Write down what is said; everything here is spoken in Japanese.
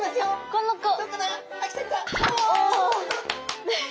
この子！